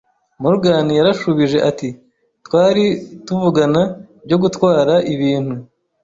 Morgan yarashubije ati: "Twari tuvugana 'byo gutwara ibintu."